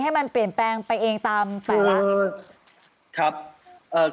ให้มันเปลี่ยนแปลงไปเองตามแต่ละครับ